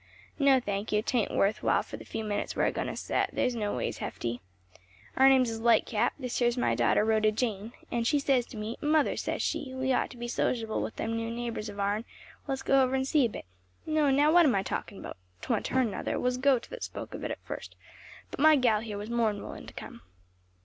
"No, thank you; 'tain't worth while fur the few minutes we're agoin' to set; they's no ways hefty. "Our names is Lightcap; this here's my daughter Rhoda Jane and she says to me, 'mother,' says she, 'we'd ought to be sociable with them new neighbors of ourn; let's go over and set a bit.' No, now what am I talkin' about?' 'twan't her nuther, 'twas Gote that spoke of it first, but my gal here was more'n willing to come."